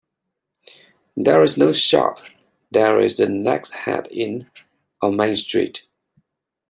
There is no shop, there is the Nags Head Inn on Main Street.